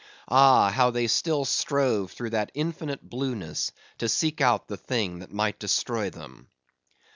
Ah! how they still strove through that infinite blueness to seek out the thing that might destroy them!